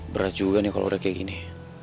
berat juga nih kalau udah kayak gini